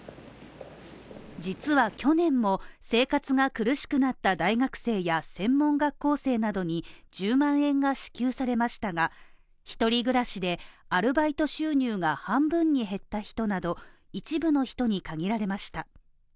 実は去年も生活が苦しくなった大学生や専門学校生などに１０万円が支給されましたが、一人暮らしでアルバイト収入が半分に減った人など一部の人に限られました。